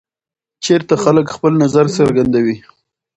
چېرته خلک خپل نظر څرګندوي؟